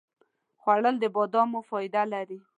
خوړل د بادامو فایده لري